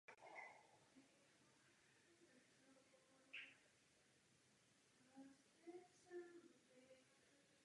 V důsledku toho se na hranicích Západu objevily dvě obrovské skupiny kmenů.